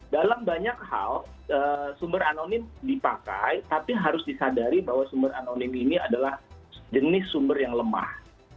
dalam banyak hal sumber anonim dipakai tapi harus disadari bahwa sumber anonim ini adalah jenis sumber yang lemah